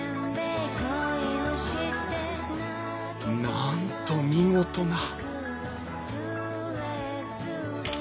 なんと見事な！